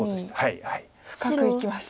更に深くいきました。